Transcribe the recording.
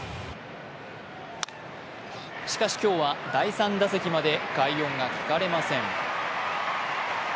しかし今日は第３打席まで快音が聞かれません。